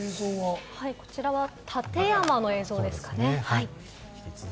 こちらは館山の映像ですかね。